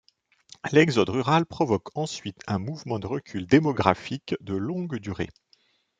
L'exode rural provoque ensuite un mouvement de recul démographique de longue durée.